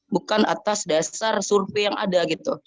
bukan atas dasar survei yang ada gitu